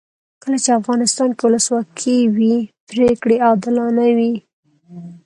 کله چې افغانستان کې ولسواکي وي پرېکړې عادلانه وي.